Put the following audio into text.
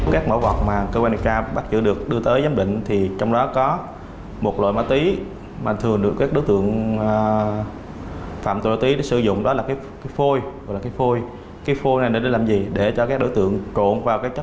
các mẫu vọt mà cơ quan điện tra bắt giữ được đưa tới giám định thì trong đó có một loại ma túy